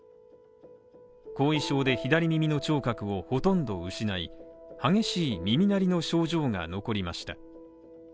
後遺症で左耳の聴覚をほとんど失い、激しい耳鳴りの症状が残りました。